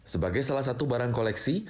sebagai salah satu barang koleksi